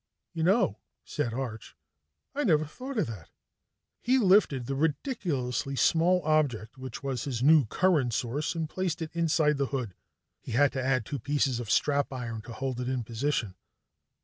"You know," said Arch, "I never thought of that." He lifted the ridiculously small object which was his new current source and placed it inside the hood. He had had to add two pieces of strap iron to hold it in position.